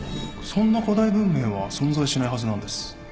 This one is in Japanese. そんな古代文明は存在しないはずなんです